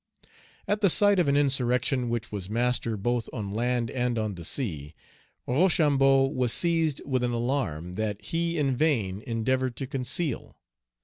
At the sight of an insurrection which was master both on land and on the sea, Rochambeau was seized with an alarm that he in vain endeavored to conceal.